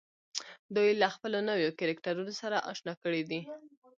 دوی يې له خپلو نويو کرکټرونو سره اشنا کړي دي.